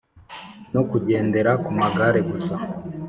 no kugendera ku magare gusa.